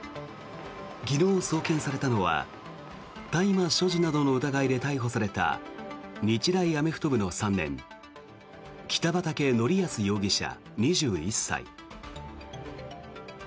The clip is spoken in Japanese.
昨日送検されたのは大麻所持などの疑いで逮捕された日大アメフト部の３年北畠成文容疑者、２１歳。